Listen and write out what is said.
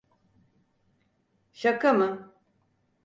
Şaka mı?